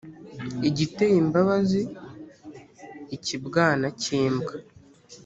Igiteye imbabazi-Ikibwana cy'imbwa.